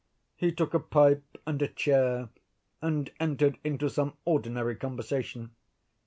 He took a pipe and a chair and entered into some ordinary conversation.